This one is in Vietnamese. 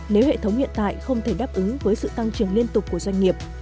nếu hệ thống hiện tại không thể đáp ứng với sự tăng trưởng liên tục của doanh nghiệp